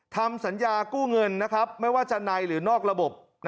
ทำสัญญากู้เงินไม่ว่าจะในหรือนอกระบบ